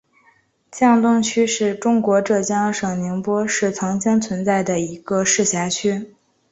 江东区是中国浙江省宁波市曾经存在的一个市辖区。